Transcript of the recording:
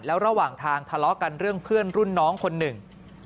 แล้วระหว่างทางทะเลาะกันเรื่องเพื่อนรุ่นน้องคนหนึ่ง